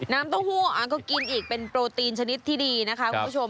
เต้าหู้ก็กินอีกเป็นโปรตีนชนิดที่ดีนะคะคุณผู้ชม